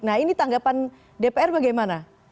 nah ini tanggapan dpr bagaimana